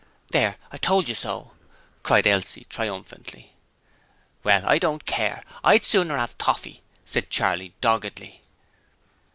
'There! I told you so!' cried Elsie, triumphantly. 'Well, I don't care. I'd sooner 'ave the torfee,' said Charley, doggedly.